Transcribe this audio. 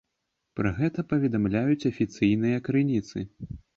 Пра гэта паведамляюць афіцыйныя крыніцы.